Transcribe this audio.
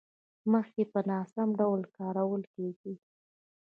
مخکې په ناسم ډول کارول کېدې.